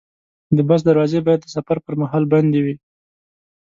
د بس دروازې باید د سفر پر مهال بندې وي.